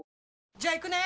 じゃあ行くね！